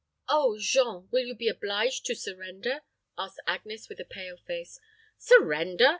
"Oh; Jean, will you be obliged to surrender?" asked Agnes, with a pale face. "Surrender!"